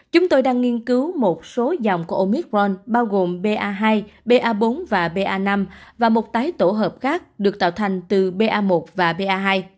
chúng tôi đang nghiên cứu một số dòng của omicron bao gồm ba bốn và ba năm và một tái tổ hợp khác được tạo thành từ ba một và ba hai